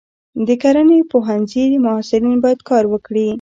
د کرنې پوهنځي محصلین باید کار وکړي.